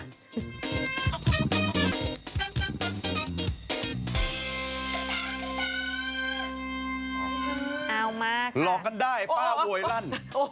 เอามากหลอกกันได้ป้าโวยลั่น